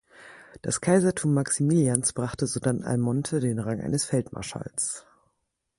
Das Kaisertum Maximilians brachte sodann Almonte den Rang eines Feldmarschalls.